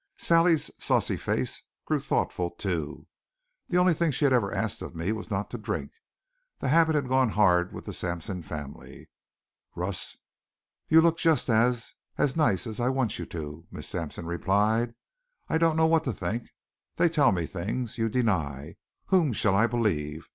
Sally's saucy face grew thoughtful, too. The only thing she had ever asked of me was not to drink. The habit had gone hard with the Sampson family. "Russ, you look just as as nice as I'd want you to," Miss Sampson replied. "I don't know what to think. They tell me things. You deny. Whom shall I believe?